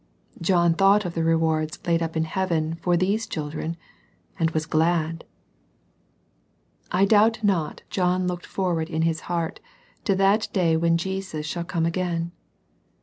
John thought of the rewards laid up in heaven for these children, and was glad. I doubt not John looked forward in his heart to that day when Jesus shall come again.